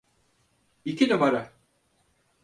İki numara.